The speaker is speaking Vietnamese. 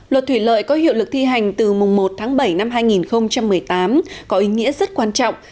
luật thủy lợi có hiệu lực thi hành từ mùng một tháng bảy năm hai nghìn một mươi tám có ý nghĩa rất quan trọng